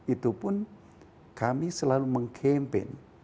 itu pun kami selalu mengkampen